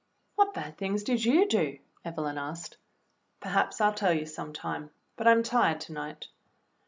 "What bad things did you do.?" Evelyn asked. "Perhaps I'll tell you some time, but I'm tired to night."